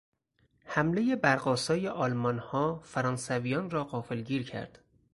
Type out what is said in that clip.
حملهی برقآسای آلمانها فرانسویان را غافلگیر کرد.